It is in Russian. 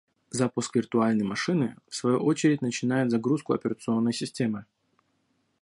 Запуск виртуальной машины в свою очередь начинает загрузку операционной системы